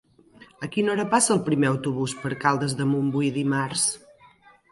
A quina hora passa el primer autobús per Caldes de Montbui dimarts?